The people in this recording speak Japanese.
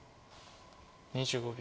２５秒。